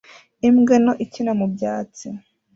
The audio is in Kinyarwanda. imbwa nto ikina mu byatsi